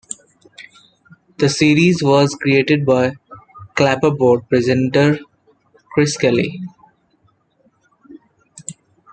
The series was created by "Clapperboard" presenter Chris Kelly.